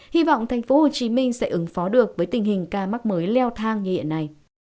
hy vọng thành phố hồ chí minh sẽ ứng phó được với tình hình ca mắc mới leo thang như hiện nay